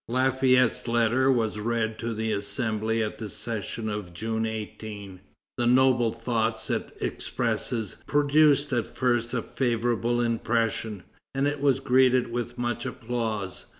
Lafayette's letter was read to the Assembly at the session of June 18. The noble thoughts it expresses produced at first a favorable impression, and it was greeted with much applause.